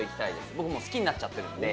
僕もう好きになっちゃってるんで。